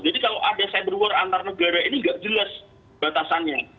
jadi kalau ada cyber war antar negara ini nggak jelas batasannya